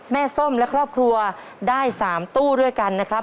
ส้มและครอบครัวได้๓ตู้ด้วยกันนะครับ